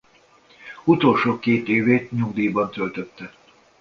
Utolsó két évét nyugdíjban töltötte.